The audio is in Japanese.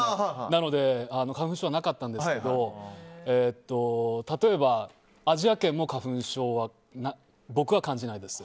なので花粉症はなかったんですけど例えば、アジア圏も花粉症は僕は感じないです。